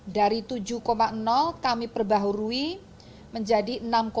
dari tujuh kami perbaharui menjadi enam tujuh